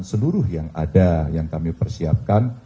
seluruh yang ada yang kami persiapkan